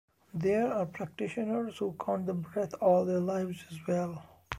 There are practitioners who count the breath all their lives as well.